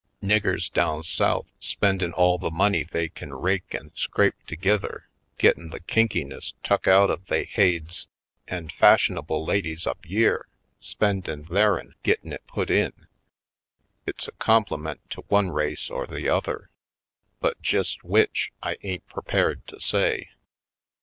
Niggers down South spendin' ail the money they kin rake an' scrape togither gittin' the kinkiness tuck out of they haids an' fashionable ladies up yere spendin' their'n gittin' it put in ! It's a com pliment to one race or the other, but jest w'ich I ain't purpared to say."